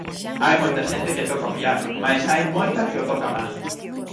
Hai moita xente que toca o piano, mais hai moita que o toca mal.